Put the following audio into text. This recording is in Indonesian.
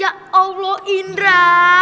ya allah indra